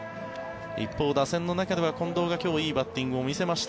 一方、打線の中では近藤が今日はいいバッティングを見せました。